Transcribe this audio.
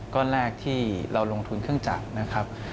ก้อนแรกที่เราลงทุนเครื่องจักรนะครับ